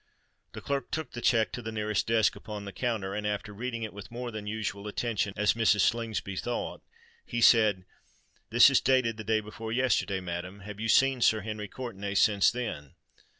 The clerk took the cheque to the nearest desk upon the counter; and after reading it with more than usual attention, as Mrs. Slingsby thought, he said, "This is dated the day before yesterday, madam. Have you seen Sir Henry Courtenay since then?"